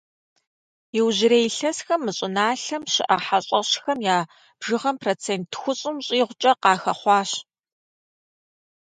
Иужьрей илъэсхэм мы щӀыналъэм щыӀэ хьэщӀэщхэм я бжыгъэм процент тхущӏым щӀигъукӀэ къахэхъуащ.